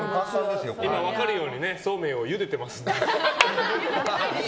今、分かるようにそうめんをゆでてますので。